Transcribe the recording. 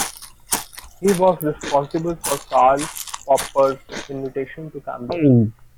He was responsible for Karl Popper's invitation to Cambridge.